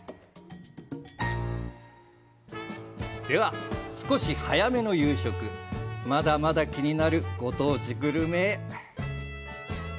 では、少し早めの夕食またまた気になるご当地グルメへ。